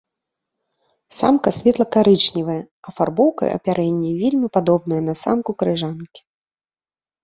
Самка светла-карычневая, афарбоўкай апярэння вельмі падобная на самку крыжанкі.